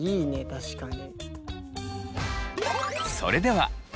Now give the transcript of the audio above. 確かに。